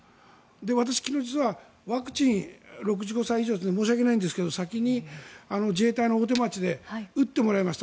私、昨日実は６５歳以上で申し訳ないんですけど先に自衛隊の大手町で打ってもらいました。